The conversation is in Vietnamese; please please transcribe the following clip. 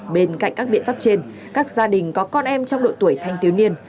bên cạnh các biện pháp trên các gia đình có con em trong độ tuổi thanh thiếu niên